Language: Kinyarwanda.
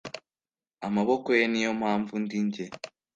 amaboko ye niyo mpamvu ndi njye.